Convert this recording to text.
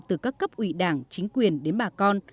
từ các cấp ủy đảng chính quốc